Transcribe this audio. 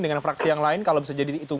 dengan fraksi yang lain kalau bisa jadi itu